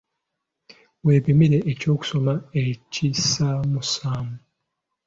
Weepimire eky'okusoma ekisaamusaamu.